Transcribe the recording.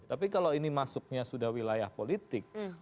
tapi kalau ini masuknya sudah wilayah politik